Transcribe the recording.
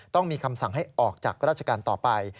ต้องมีคำสั่งให้ออกจากราชการต่อไป